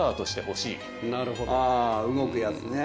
あ動くやつね。